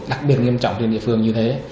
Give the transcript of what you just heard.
đặc biệt nghiêm trọng trên địa phương như thế